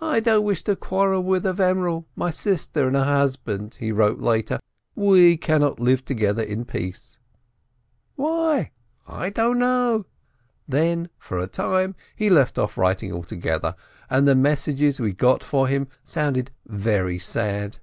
'I don't wish to quarrel with Avremel, my sister, and her husband,' he wrote later, 'we cannot live together in peace.' Why? I don't know ! Then, for a time, he left off writing altogether, and the messages we got from him sounded very sad.